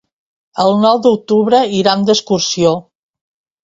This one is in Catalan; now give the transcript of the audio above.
El nou d'octubre iran d'excursió.